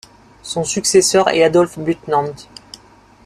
Son successeur est Adolf Butenandt.